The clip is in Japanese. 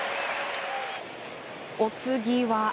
お次は。